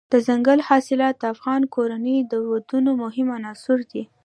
دځنګل حاصلات د افغان کورنیو د دودونو مهم عنصر دی.